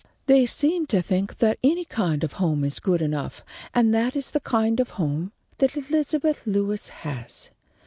They seem to think that any kind of home is good enough, and that is the kind of a home that Elizabeth Lewis has.